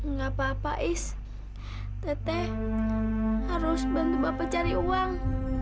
nggak apa apa is teteh harus bantu bapak cari uang